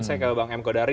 saya ke bang m kodari